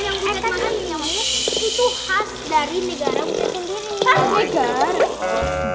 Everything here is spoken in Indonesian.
yang namanya itu khas dari negara bu cet sendiri